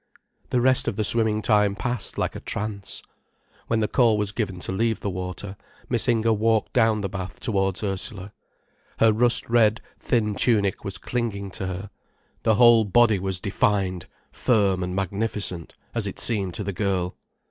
The rest of the swimming time passed like a trance. When the call was given to leave the water, Miss Inger walked down the bath towards Ursula. Her rust red, thin tunic was clinging to her, the whole body was defined, firm and magnificent, as it seemed to the girl.